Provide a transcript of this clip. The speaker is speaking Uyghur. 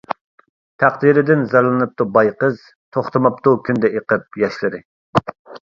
تەقدىرىدىن زارلىنىپتۇ باي قىزى، توختىماپتۇ كۈندە ئېقىپ ياشلىرى.